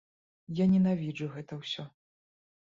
Я ненавіджу гэта ўсё.